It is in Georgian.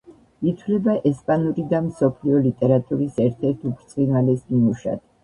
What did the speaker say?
ითვლება ესპანური და მსოფლიო ლიტერატურის ერთ-ერთ უბრწყინვალეს ნიმუშად.